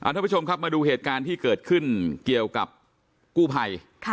ทุกผู้ชมครับมาดูเหตุการณ์ที่เกิดขึ้นเกี่ยวกับกู้ภัย